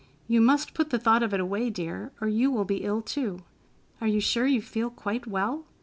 "You must put the thought of it away, dear, or you will be ill, too. Are you sure you feel quite well?